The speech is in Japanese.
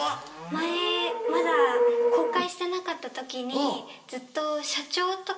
前まだ公開してなかった時にずっと社長とか。